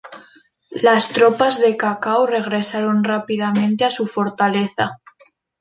Las tropas de Cao Cao regresaron rápidamente a su fortaleza.